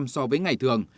so với ngày thường